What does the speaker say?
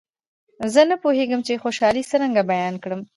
زه نه پوهېږم چې خوشالي څرنګه بیان کړم.